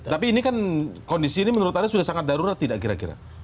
tapi ini kan kondisi ini menurut anda sudah sangat darurat tidak kira kira